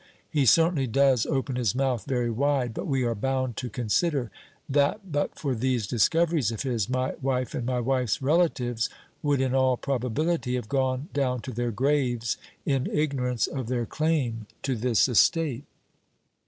He certainly does open his mouth very wide; but we are bound to consider that but for these discoveries of his, my wife and my wife's relatives would in all probability have gone down to their graves in ignorance of their claim to this estate."